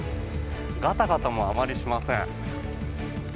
ガタガタもあまりしません。